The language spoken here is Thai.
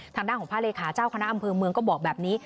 ทางด้านของพระเลขาเจ้าคณะอำเภอเมืองก็บอกแบบนี้